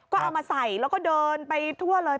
ก็เอามาใส่แล้วก็เดินไปทั่วเลย